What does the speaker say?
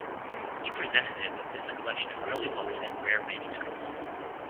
He presented it with his collection of early books and rare manuscripts.